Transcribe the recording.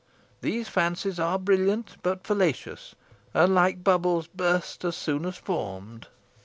These fancies are brilliant, but fallacious, and, like bubbles, burst as soon as formed."